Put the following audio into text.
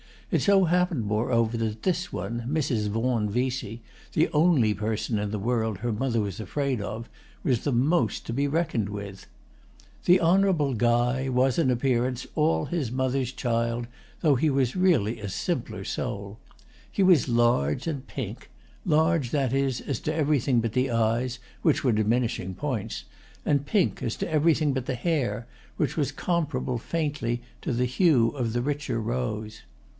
It so happened moreover that this one, Mrs. Vaughan Vesey, the only person in the world her mother was afraid of, was the most to be reckoned with. The Honourable Guy was in appearance all his mother's child, though he was really a simpler soul. He was large and pink; large, that is, as to everything but the eyes, which were diminishing points, and pink as to everything but the hair, which was comparable, faintly, to the hue of the richer rose.